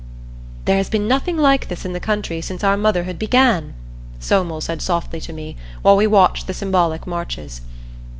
"There has been nothing like this in the country since our Motherhood began!" Somel said softly to me, while we watched the symbolic marches.